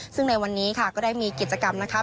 ซึ่งในวันนี้ค่ะก็ได้มีกิจกรรมนะคะ